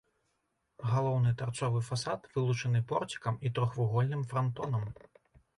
Галоўны тарцовы фасад вылучаны порцікам і трохвугольным франтонам.